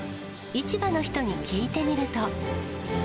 市場の人に聞いてみると。